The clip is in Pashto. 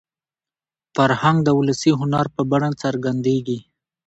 فرهنګ د ولسي هنر په بڼه څرګندېږي.